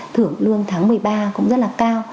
thưởng lương tháng một mươi ba cũng rất là cao